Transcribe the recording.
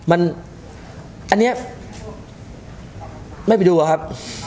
อันนี้ไม่ไปดูอะครับ